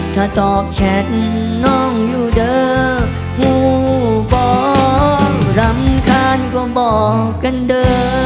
ถ้าตอบแชทน้องอยู่เด้อผู้ฟ้องรำคาญก็บอกกันเด้อ